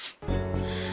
aku gak akan tinggal diam